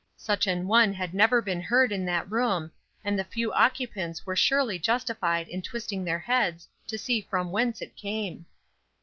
Such an one had never been heard in that room, and the few occupants were surely justified in twisting their heads to see from whence it came.